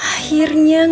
sampai jumpa lagi